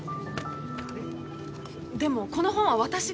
でもこの本は私が。